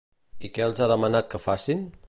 I què els ha demanat que facin?